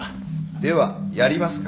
ではやりますか。